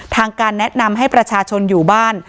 ทางการแนะนำให้ประชาชนอยู่บ้าน